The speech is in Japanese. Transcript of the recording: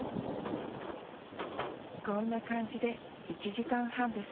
こんな感じで１時間半です。